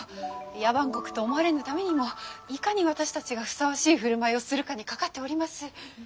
野蛮国と思われぬためにもいかに私たちがふさわしい振る舞いをするかにかかっております。